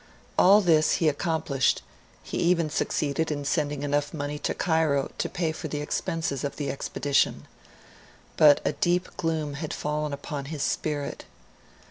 All this he accomplished; he even succeeded in sending enough money to Cairo to pay for the expenses of the expedition. But a deep gloom had fallen upon his spirit.